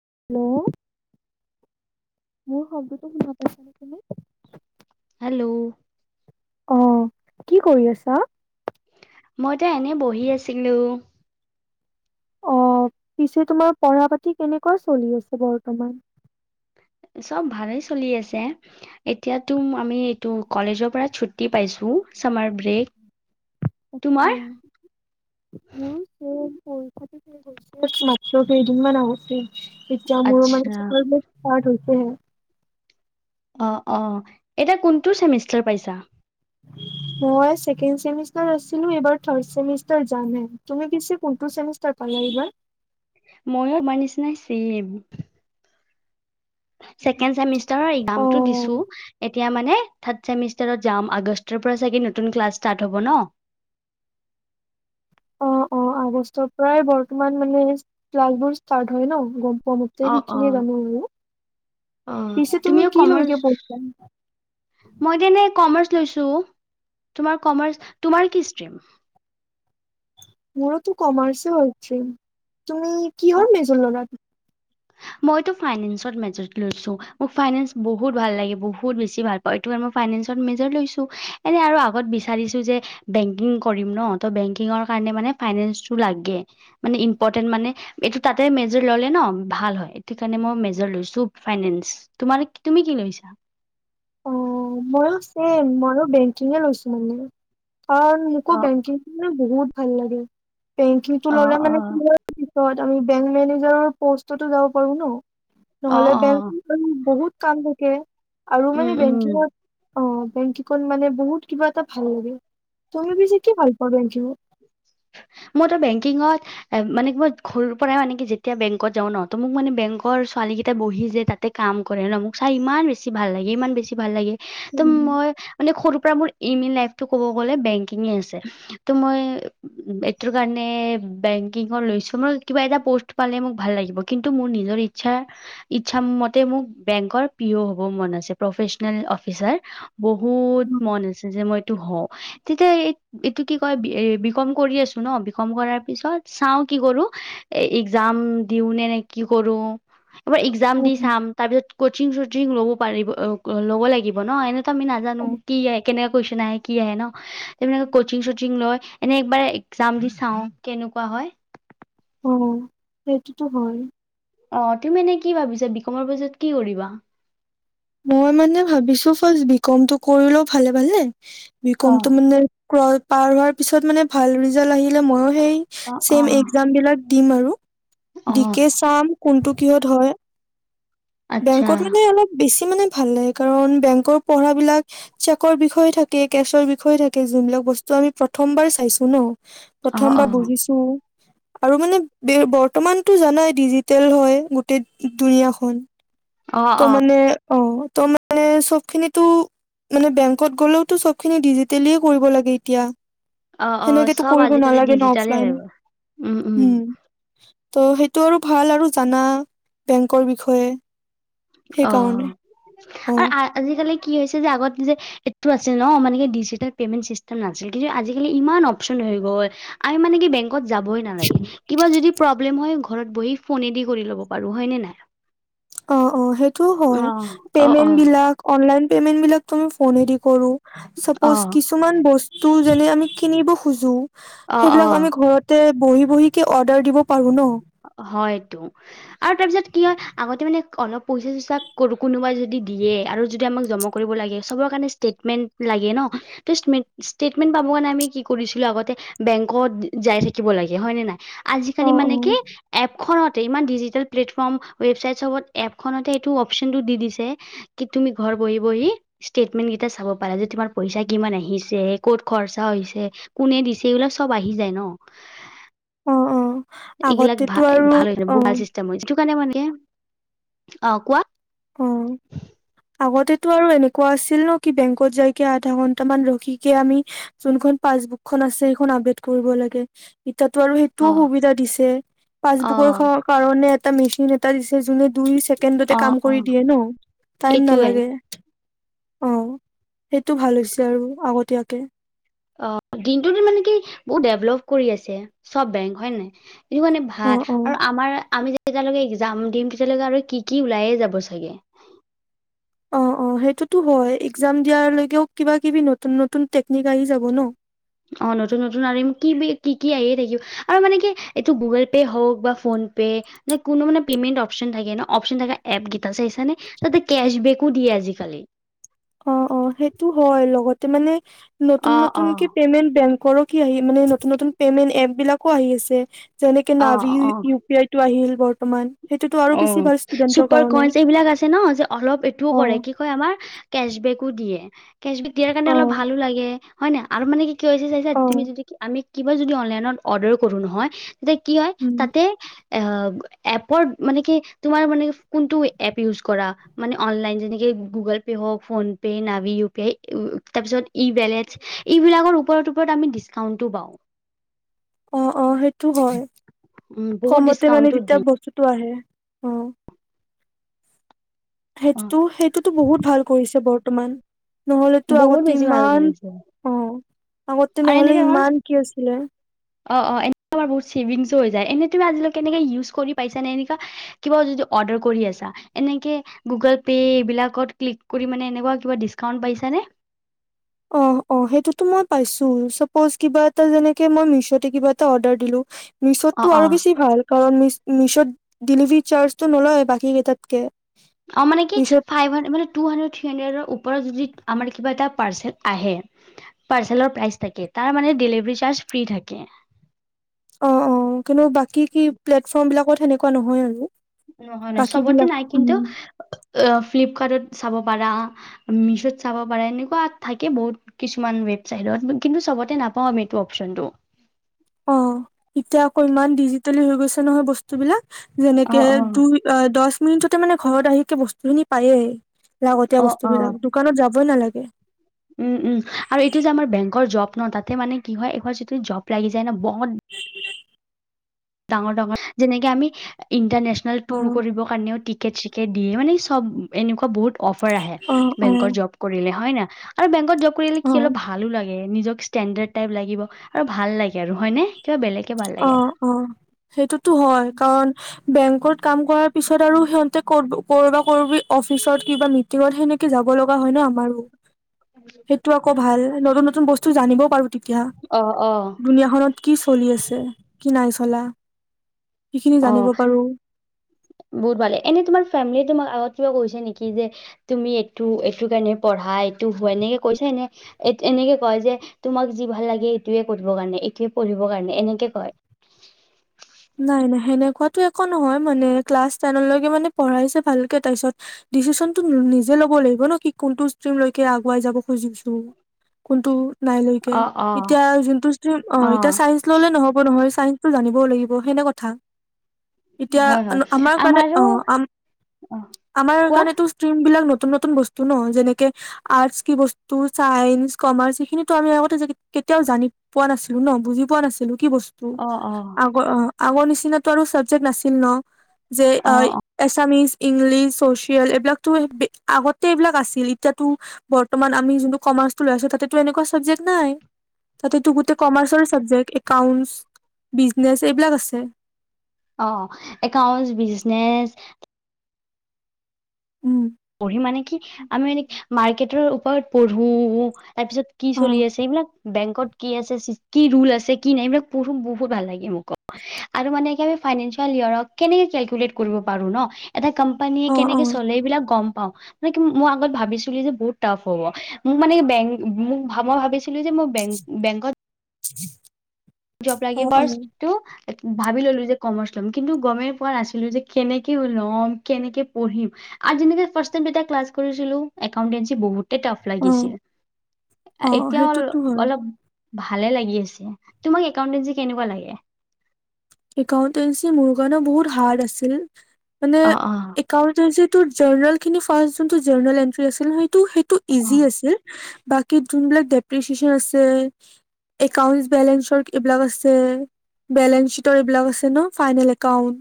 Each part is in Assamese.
হেল্ল'। মোৰ শব্দটো শুনা পাইছা নে তুমি? হেল্ল'? অ', কি কৰি আছা? মইতো এনে বহি আছিলো। অ', পিছে তোমাৰ পঢ়া পাতি কেনেকুৱা চলি আছে বৰ্তমান? চব ভালেই চলি আছে। এতিয়াতো আমি এইটো কলেজৰ পৰা [unintelligible] [unintelligible] পাইছো ছামাৰ ব্ৰেক। আচ্ছা, তোমাৰ মোৰো ছেম। পৰীক্ষাটো শেষ হৈছেহে মাত্ৰ কেইদিনমান আগতে। তেতিয়া মোৰ [unintelligible] আচ্ছা [unintelligible] অ', অ', এতিয়া কোনটো চেমিষ্টাৰ পাইছা? মই ছেকেণ্ড চেমিষ্টাৰ আছিলোঁ, এইবাৰ থাৰ্ড চেমিষ্টাৰ যামহে। তুমি পিছে কোনটো চেমিষ্টাৰ পালা এইবাৰ? ময়ো তোমাৰ নিচিনাই চেম। ছেকেণ্ড চেমিষ্টাৰৰ এক্সামটো অ' দিছো এতিয়া মানে থাৰ্ড চেমিষ্টাৰত যাম, আগষ্টৰ পৰা চাগে নতুন ক্লাছ ষ্টাৰ্ট হ'ব ন। অ', অ', আগষ্টৰ পৰাই বৰ্তমান মানে ক্লাছ বোৰ ষ্টাৰ্ট হয় ন গ কমতে অ অ সেইখিনিয়ে জানো আৰু। অ পিছে তুমি তুমিও কি কমাৰ্চ লৈকে [unintelligible] মই তেনে [unintelligible] লৈছো, তোমাৰ কমাৰ্চ, তোমাৰ কি ষ্ট্ৰীম? মোৰতো কমাৰ্চে হয়। [unintelligible] তুমি কিহৰ মেজৰ ল'লা? মইটো ফাইনেন্সত মেজৰ লৈছো। মোক ফাইনেন্স বহুত ভাল লাগে বহুত বেছি ভাল পাও, [unintelligible] ফাইনেন্সত মেজ লৈছো। এনে আৰু আগত বিচাৰিছো যে বেংকিং কৰিম ন, ত বেংকিঙৰ কাৰনে মানে ফাইনেন্সটো লাগে, মানে ইম্পৰ্টেন্ট মানে এইটো তাতে মেজৰ ললে ন ভাল হয়। এইটো কাৰণে মই মেজৰ লৈছো ফাইনেন্স, তোমাৰ তুমি কি লৈছা? অ', মইও ছেম, মইও বেংকিঙ লৈছো মানে। অ', মোকো বেংকিং মানে বহুত ভাল লাগে। বেংকিংটো অ ল'লে অ মানে কি [unintelligible] [unintelligible] আমি বেংক মেনেজাৰৰ পষ্টতো যাব পাৰো ন। অ নহ'লে অ [unintelligible] বহুত কাম থাকে। আৰু উম মানে বে উম [unintelligible] অঁ বেংকীকত মানে বহুত কিবা এটা ভাল লাগে। তুমি পিছে কি ভাল পোৱা বেংকিং। মই তো বেংকিঙত এ মানে কি মই সৰুৰ পৰাই মানে কি যেতিয়া বেংকত যাও ন, ত' মোক মানে বেংকৰ ছোৱালী কেইটা বহি যে তাতে কাম কৰে ন মোক চাই ইমান বেছি ভাল লাগে-ইমান বেছি ভাল লাগে। ত' মই মানে সৰু পৰা মোৰ এইম ইন লাইফটো ক'ব গলে বেংকিং আছে ত' মই এইটো কাৰণে বেংকিংৰ লৈছো মই কিবা এটা পষ্ট পালে মোক ভাল লাগিব কিন্তু মোৰ নিজৰ ইছাৰ ই্ছা মতে মোক বেংকৰ পি অ হ'ব মন আছে প্ৰফেচনেল অফিচাৰ বহুত মন আছে যে মই এইটো হওঁ, তেতিয়া এইটো কি কয় বি কম কৰি আছো ন, বি কম কৰাৰ পিছত চাওঁ কি কৰো এ এক্জাম দিওঁ নে- নে কি কৰো এবাৰ এক্সাম দি চাম তাৰপিছত কচিং চচিং ল'ব পাৰিব অ অ ল'ব লাগিব ন, এনেতো আমি নাজানো কি কেনেকে কুৱেশচন আহে কি আহে ন, তেনেকে কচিং চচিং লয় এনে একবাৰে এক্জাম দি চাওঁ কেনেকুৱা হয়। অঁ সেইটোতো হয়। অঁ তুমি এনে কি ভাবিছা বিকমৰ পিছত কি কৰিবা। মই মানে ভাবিছো ফাৰ্ষ্ট বি কমটো কৰি লও ভালে- ভালে অ বিকমটো মানে [unintelligible] পাৰ হোৱাৰ পিছত মানে ভাল ৰিজাল্ট আহিলে ময়ো সেই অ অ ছেম এক্সাম বিলাক দিম আৰু। অ দি কে চাম কোনটো কিহত হয়। আচ্ছা বেংকত মানে অলপ বেছি মানে ভাল লাগে কাৰণ, বেংকৰ পঢ়া বিলাক চেকৰ বিষয়ে থাকে, কেছৰ বিষয়ে থাকে, যোন বিলাক বস্তু আমি প্ৰথমবাৰ চাইছো ন। অ প্ৰথম অ বাৰ বুজিছো। আৰু মানে, বৰ্তমানটো জানাই ডিজিটেল হয় গোটেই দুুনীয়াখন। অ অ ত' মানে অ' ত' মানে চবখিনিটো মানে বেংকত গলেওতো চবখিনি ডিজিটেলিয়ে কৰিব লাগে এতিয়া। অঁ -অঁ সেনেকেতো চব কৰিব আজি-কালি নালাগে ন ডিজিটালেই অফলাইন হৈ গ'ল, উম-উম। উম ত' সেইটো আৰু ভাল আৰু জানা বেংকৰ বিষয়ে। সেইকাৰণে অঁ অ' আৰু আজি-কালি কি হৈছিল যে আগত যে সেইটো আছিল ন মানে কি ডিজিটেল পেমেণ্ট চিষ্টেম নাছিল কিন্তু আজিকালি ইমান অপচন হৈ গ'ল আৰু মানে কি বেংক কত যাবয়ে নালাগে, কিবা যদি প্ৰব্লেম হয় ঘৰত বহি ফোনেদি কৰি ল'ব পাৰো হয়নে নাই। অ- অ সেইটোও অ হয়, অ অ পেইমেণ্টবিলাক অনলাইন পেইমেণ্ট বিলাক টো আমি ফোনেদি কৰোঁ, অ চাপজ কিছুমান বস্তু যেনে আমি কিনিব খো খুজোঁ। অ সেইবিলাক অ আমি ঘৰতে বহি বহিকে অৰ্ডাৰ দিব পাৰো ন। হয় এইটো, আৰু তাৰপিছত কি হয়, আগতে মানে অলপ পইচা চইচা কোনোবাই যদি দিয়ে, আৰু যদি আমাক জমা কৰিব লাগে, চবৰ কাৰণে ষ্টেটমেন্ট লাগে ন, ত' ষ্টেটমেন্ট পাব কাৰণে আমি কি কৰিছিলো আগতে, বেংকত যাই থাকিব লাগে হয়নে নাই? আজিকালি মানে [inaudible] ঘৰতে, ইমান ডিজিটেল প্লেটফৰ্ম, ৱেবচাইট চবত এপখনতে এইটো অপশচনটো দি দিছে, কি তুমি ঘৰ বহি বহি ষ্টেটমেন্ট কেইটা চাব পাৰা যে, তোমাৰ পইচা কিমান আহিছে, ক'ত খৰচা হৈছে, কোনে দিছে এইবিলাক চব আহি যায় ন অ' অ'। এইগিলাক আগতেতো আৰু ভা-ভাল হৈছে, ভাল অ' চিষ্টেম, যিটো [unintelligible] অ', কোৱা অ', আগতেটো আৰু এনেকুৱা আছিল ন, কি বেংকত যাইকে আধা ঘন্টামান ৰখিকে, আমি যোনখন পাছবুকখন আছে সেইখন আপডেট কৰিব লাগে, এ এতিয়াতো আৰু সেইটোও অ সুবিধা দিছে, অ পাছবুকৰ কাৰণে মেচিন এটা দিছ জোনে দুই ছেকেণ্ডতে অ কাম অ কৰি দিয়ে ন, টাইম এইটোৱে নালাগে। অ, সেইটো ভাল হৈছে আৰু আগতীয়াকে। অ, দিনতটো দিন মানে কি, বহুত ডেভলপ কৰি আছে চব বেংক হয়ে নাই। এইটো কাৰণে অ ভাল। অ আৰু আমাৰ আমি তেতিয়ালৈকে এক্জাম দিম, তেতিয়ালৈকে আৰু কি ল, কি ওলাইে যাব চাগে। অহ, অহ, সেইটোতো হয়। এক্জাম দিয়ালৈও কিবা কিবি নতুন, নতুন টেকনিক আহি যাব ন। অ, নতুন, নতুন আৰু কি, কি, কি আহিয়ে থাকিব। আৰু মানে কি, এইটো গুগল পে' হওক বা ফোন পে। ন কোনো মানে পেমেণ্ট অপচন থাকে ন অপচন থকা এপ কেইটা চাইছানে। তাতে কেচবেকো দিয়ে আজিকালি। অহ, অহ, সেইটো হয় লগত ত, মানে নতুন, অ নতুন অ কি পেমেট বেংক কৰক কি আহিল, মানে নতুন, নতুন পে'মেট এপ বিলাক আকৌ আহি আছে যেনেকে অ নাভি উ পি আই টো আহিল বৰ্তমান সেইটোতো আৰু বেছি অহ, ভাল ষ্টুডেন্টৰ চুপাৰ কাৰণে। কইনচ এইবিলাক আছে ন। যে অলপ এইটোও কৰে, অ', কি কয় আমাৰ কেচবেকো দিয়ে। কেচবেক দিয়াৰ কাৰণে অলপ অ', ভালো লাগে, হয় ন। আৰু মানে কি কি হৈছে চাইছা তুমি অ', যদি কি আমি কিবা যদি অনলাইনত অৰ্ডাৰো কৰো নহয় তেতিয়া কি হয় উম, তাতে। এ এপৰ। মানে কি তোমাৰ মানে কোনটো এপ উইচ কৰা অনলাইন যেনেকে গুগলপে হওঁক ফোনপে নাভি উইপিআই তাৰ পিছত ই ৱালেট এইবিলাকৰ ওপৰত ওপৰত আমি ডিছকাউণ্ট ও পাওঁ। অহ অহ সেইটো হয়। উম বহুত কমতে মানে ডিচকাউন্টো যেতিয়া দি বস্তুতটো আহে। অহ। অ সেইটোতো সেইটোতো বহুত ভাল কৰিছে বৰ। বৰ্তমান। নহলেতো বহুত আগতে বেছি ভাল ইমান কৰিছে অহ। আৰু এনেকে হ'ল, অহ অহ এনে আমাৰ বহুত ছেভিংও হৈ যায় এনেইটো আজিলৈ। কেনেকা উইছ কৰি পাইছা নে এনেকা কিবা যদি অৰ্ডাৰ কৰি আছা এনেকে গুগল পে এইবিলাকত ক্লিক কৰি ডিছকাউণ্ট পাইছা নে। অহ অহ সেইটোতো মই পাইছোঁ, চাপচ কিবা এটা যেনেকে মই মিছোত কিবা এটা অৰ্ডাৰ দিলোঁ। মিছোতটো অ', আৰু অ'। বেছি ভাল কাৰণ মিছো। মিছোত ডেলিভাৰী চাৰ্জটো নলয় বাকী কেইটাতকৈ। অ মানে কি ফাইভ হা মানে টু হান্দ্ৰেড থ্ৰী হান্দ্ৰেড ওপৰত যদি আমাৰ কিবা এটা। পাৰ্চেল আহে পাৰ্চেলৰ প্ৰাইচ থাকে তাৰ মানে ডেলিভাৰী চাৰ্জ ফ্ৰি থাকে। অহ অহ কিন্তু বাকী কি প্লেটফৰ্ম বিলাকত সেনেকুৱা নহয় আৰু। নহয় নহয় বাকী চবতে বিলাক নাই কিন্তু, উম, ফ্লিপকাৰ্টত চাব পাৰা। মিছোত চাব পাৰে, এনেকুৱা থাকে বহুত কিছুমান ৱেবচাইটত কিন্তু চবতে নাপাওঁ এইটো অপচনটো। অহ, এতিয়া আকৌ ইমান ডিজিটেলি হৈ গৈছে নহয় বস্তু বিলাক। যেনেকে অ', অ', দুই দহ। মিনিটতে মানে, ঘৰত আহি বস্তুখিনি পায়েই। লাগতীয়া অ', বস্তু অ'। বিলাক দোকানত যাব। ব নালাগে। উম, উম, আৰু এইটো যে আমাৰ বেংকৰ জব ন তাতে মানে কি হয় এবাৰ যিটো জব লাগি যায় নহ। ডাঙৰ, ডাঙৰ, যেনেকে আমি। ইণ্টাৰনেশ্যনেল টুৰ অ', কৰিব কাৰণেও টিক। টিকেট চিকেত দিয়ে মানে সব এনেকুৱা বহুত। অফাৰ আহে অ', বেংকৰ অ', জব কৰিলে হয় না। আৰু বেংকত জব। কৰিলে কি অ'। অলপ ভালো লাগে। নিজক ষ্টেণ্ডাৰ্ড টাইপ লাগিব আৰু ভাল লাগে আৰু হয় নে কিবা বেলেগ। ভাল অ লাগে। অ', সেইটোতো হয় কাৰণ বেংকত কাম কৰাৰ পিছত আৰু সিহতে কৰ। কৰবা কৰিবি অফিচত কিবা মিটিঙত সেনেকে যাব লগ। হয় ন আমাৰো, সেইটো আকৌ ভাল নতুন নতুন বস্তু টো জানিব পাৰো তি তিয়া, অ', অ', দুুনীয়াখনত কি চলি আছ এহ, কি নাই চলা সেইখিনি জানিব অ', পাৰো বহুত ভালে, এনে তোমাৰ ফেমিলি তোমাক আগত কিবা কৈছে নেকি যে তুমি এইটো, এইটো কাৰণে পঢ়া এইটো হোৱা, এনেকে কৈছা নে? এনেকে কয় যে তোমাক যি ভাল লাগে এইটোৱে কৰিব কাৰণে, এইটোৱে পঢ়িব কাৰণে এনেকে কয়? নাই নাই সেনেকুৱাতো একো নহয় মানে ক্লাছ তেনৰলৈকে মানে পঢ়াইছে ভালকে তাৰপিছত ডিচিশনটো নিজে ল'ব লাগিব ন কি কোনটো ষ্ট্ৰীমলৈকে আগুৱাই যাব খুজিছো, কোনটো নাই লৈকে, অ অ এতিয়া জোনটো ষ্ট্ৰীম, অ', এতিয়া চাইন্স ললে নহ'ব নহয়। চাইন্সটো জানিবও লাগিব ব হেনে কথা। এতিয়া, হয় হয় আমাৰ কাৰণে, আমাৰো অ', আম, অ আমাৰ কোৱা। কাৰনেটো ষ্ট্ৰীম বিলাক নত নতুন নতুন বস্তু ন যেনেকে আৰ্টছ কি বস্তু? চায়েঞ্চ, কমাৰ্চ এইখিনিটো আমি আগতে যদি কেতিয়াও জানি পোৱা নাছিলো, ন বুজি পোৱা নাছিলো। কি বস্তু, অ অ আ অ, আগৰ নিছিনতো আৰু চাবজেক্ট নাছিল ন। যে অ এ আছামিজ। ইংলিছ, চচেইল এইবিলাক টো আগতে এইবিলাক আছিল এতিয়াতো বৰ্তমান আমি যোনটো কমাৰ্চটো লৈ আছো তাতেতো এনেকুৱা চাবজেক্ট নাই, তাতেতো গোটেই কমাৰ্চৰ চাবজেক্ট একাউন্ট, বিজ নেচ এইবিলাক আছে। অ', একাউণ্টছ, বিজনেছ। উম। পঢ়ি মানে কি, আমি মানে মাৰ্কেটৰ ওপৰত পঢ়ো তাৰপিছত কি অ চলি আছে এইবিলাক বেংকত কি আছে চিছ কি ৰুলে আছে, কি নাই এইবিলাক পঢ়ো বহুত ভাল লাগে মুকো, আৰু মানে একেবাৰে ফাইনেঞ্চল ইয়াৰঅক কেনেকে কেলকুলেট কৰিব পাৰো ন এটা কম্প কোম্পানীয়ে অ অ কেনেকে চলে এইবিলাক গম পাও মই আগত ভাবিছোঁ যে বহুত তাপ হ'ব মোক মানে বেংক মোক মই ভাবিছ ভাবিছিলো যে বেং বেংকত জব অ লাগিব অ ফাৰ্ষ্ট টো ভাবি ললো যে কমাৰ্চ ল'ম কিন্তু গমেই পোৱা নাছিলো যে কেনেকে ল'ম কেনেকে পঢ়িম আৰু যেনেকে ফাৰ্ষ টাই এটা ক্লাছ কৰিছিলো একাউটেঞ্চি বহুত টফ অ লাগিছিল অ এতিয়া অল সেইটোতো হয় অলপ ভালে লাগি আছে। তোমাক একাউটেঞ্চি কেনেকুৱা লাগে? একাউটেঞ্চি মোৰ কাৰণে বহুত হাৰ্ড আছিল। মানে অ অ একাউটেঞ্চিত তোৰ জল জলখিনি ফাৰ্ষ্ট যোনটো জল এন্ট্ৰি আছিল হয়। টোৰ সেইটো অ ইজি আছিল। বাকী যোনবিলাক ডেপ্ৰিচিয়েচন আছে, একাউন্ট বেলেঞ্চ এইবিলাক আছে, বেলেঞ্চ তৰবিলাক আছে ন ফাইনেল একাউণ্ট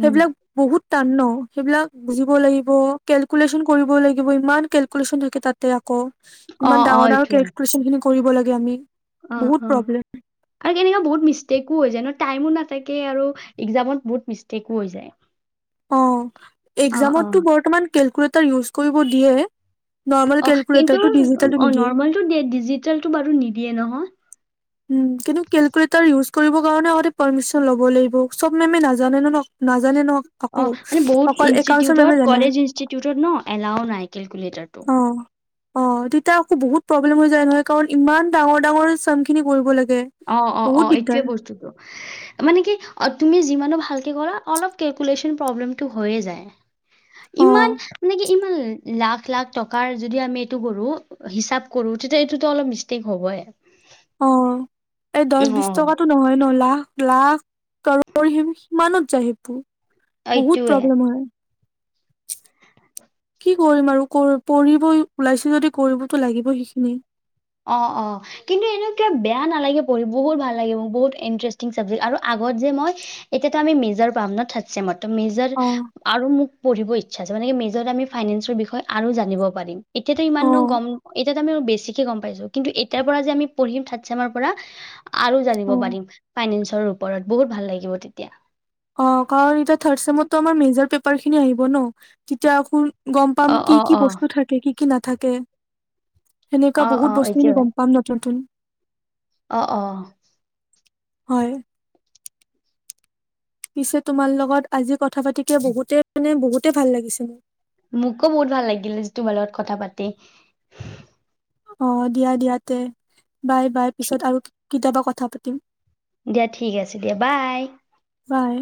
উম সেইবিলাক বহুত টান ন সেইবিলাক বুজিব লাগিব, কেলকুলেশ্যন কৰিব লাগিব, ইমান কেলকুলেশ্যন থাকে তাতে আও। অ ইমান অ ডাঙৰ ডাঙৰ এইটোৱে কেলকুলেশ্যন খিনি কৰিব লাগি ব আমি। অ বহুত অ প্ৰব্লেম আৰু কেনেকুৱা বহুত মিষ্টেকো হৈয় যায় ন। টাইমো নাথাকে আৰু এক্সামত বহুত মিষ্টেকো হৈ যায়। অ। অ অ এক্সামটো বৰ্তমান কেলকুলেটা উছ কৰিব দিয়ে। নৰ্মেল অ কিন্তু কেলকুলেটাৰটো ডিজিটেলটো অ নিদিয়ে নৰ্মেলটো দিয়ে ডিজিটেলটো বাৰু নিদিয়ে নহয়। উম কিন্তু কেলকুলটৰ ইউজ কৰিব কাৰণে আগতে পাৰ্মিচন ল'ব লাগিব চব মেমে নাজানে ন, ন নাজানে ন। অ আকৌ মানে বহুত অকল একাউন্টছৰ মেমে ইনষ্টিউটত জানে কলেজ ইনষ্টিউটত ন এলাও নাই কেলকুলেটাৰটো। অ অ তেতিয়া আকৌ বহুত প্ৰব্লেম হৈ যায় নহয় কাৰণ ইমান ডাঙৰ ডাঙৰ চ খিনি কৰিব লাগে। অ অ বহুত অ দিগদাৰ এইটয়ে বস্তুতটো। মানে কি অ তুমি যিমানো ভাল ভাল কে কৰা অলপ ক্যেলকুলেচন হৈয়ে যায়। অ ইমান মানে কি? ইমান লাখ লাখ টকাৰ যদি আমি এইটো কৰো হিচাপ কৰো তেতিয়া এইটোতো অলপ মিষ্টেক হ'বই। অ। এই দহ অ বিশ টকাতটো নহয় লাখ লাখ সিমানত যায় সেইপোৰ। বহুত এইটোৱে প্ৰব্লেম হয়। কি কৰিম আৰু পঢ়িবই ওলাইছ যদি কৰিবতো লাগিব সেইখিনি অ অ কিন্তু এনেুৱা বেয়া নালাগে পঢ়ি বহুত ভাল লাগে ম বহুত ইণ্টাৰেষ্টিং চাবজেক্ট আৰু আগত যে মই এতিয়াতো আমি মেজৰ পাম ন থাৰ্ড চছেমত। মেজাৰ অ আৰু মোক পঢ়িব ইচ্ছা আছে মানে মেজৰ আমি ফাইনেন্সৰ বিষয়ে আৰু জানিব পাৰিম। এতিয়াতো ইমান অ নো গম এয়াতো আমি বেছি গম পাইছো কিন্তু এতিয়া পৰা যে আমি পঢ়িম থাৰ্ড চেমৰ পৰা। আৰু অ জানিব পাৰিম ফাইনেন্সৰ ওপৰত। বহুত ভাল লাগিব তেতিয়া। অ কাৰণ এতিয়া থাৰ্ড চেমত ত মেজৰ পে পাৰ খিনি আহিব ন। তেতিয়া আকো গম পাম অ', কি অ', কি অ', বস্তু থাকে কি? কি নাথাকে? সেনেকুৱা অ', বহুত অ', বস্তুখিনি এইটোৱে, গ'ম পাম নতুন নতুন। অ' অ' হয়। পিছে তোমাৰ লগত আজি কথা পাতি কিয় বহুতে মানে বহুতে ভাল লাগিছে মোৰ। মোকো বহুত ভাল লাগিলে, এটলিষ্ট তোমাৰ লগত কথা পাতি। অ' দিয়া দিয়া তে বাই বাই পিছত ঠিক- আৰু কেতিয়াবা কথা কথা পতিম। দিয়া ঠিক আছে দিয়া, বাই। বাই।